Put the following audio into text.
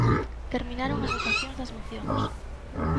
Terminaron as votacións das mocións.